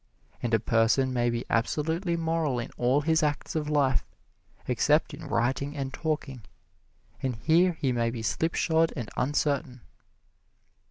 And a person may be absolutely moral in all his acts of life, except in writing and talking, and here he may be slipshod and uncertain.